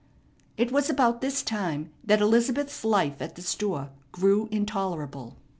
It was about this time that Elizabeth's life at the store grew intolerable.